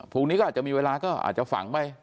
พรุ่งนี้ก็อาจจะมีเวลาก็อาจจะฝังไป